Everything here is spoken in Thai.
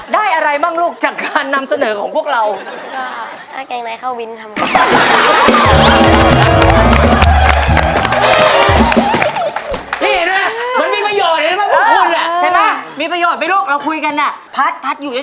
ได้อะไรบ้างลูกจากการนำเสนอของพวกเรา